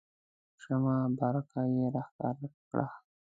شمه بارقه یې راښکاره کړه.